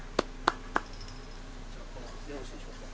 こちらよろしいでしょうか。